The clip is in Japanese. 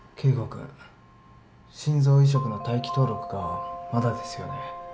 君心臓移植の待機登録がまだですよね？